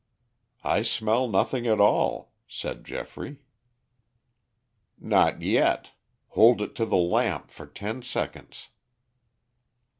"I smell nothing at all," said Geoffrey. "Not yet. Hold it to the lamp for ten seconds."